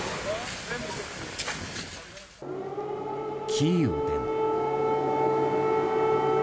キーウでも。